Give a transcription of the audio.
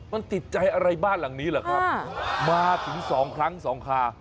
มันติดใจอะไรบ้านหลังนี้เหรอครับมาถึงสองครั้งสองคา